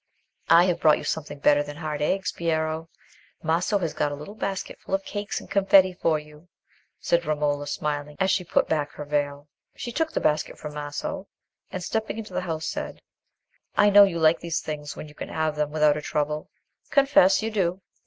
"I have brought you something better than hard eggs, Piero. Maso has got a little basket full of cakes and confetti for you," said Romola, smiling, as she put back her veil. She took the basket from Maso, and stepping into the house, said— "I know you like these things when you can have them without trouble. Confess you do."